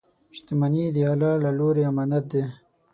• شتمني د الله له لورې امانت دی.